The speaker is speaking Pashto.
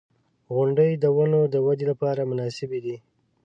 • غونډۍ د ونو د ودې لپاره مناسبې دي.